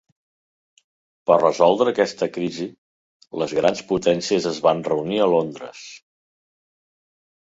Per resoldre aquesta crisi, les grans potències es van reunir a Londres.